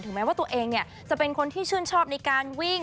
แม้ว่าตัวเองจะเป็นคนที่ชื่นชอบในการวิ่ง